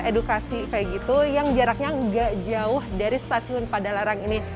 edukasi kayak gitu yang jaraknya nggak jauh dari stasiun padalarang ini